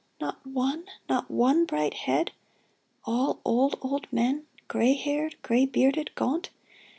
Not one — Not one bright head ? All old, old men, Gray haired, gray bearded, gaunt?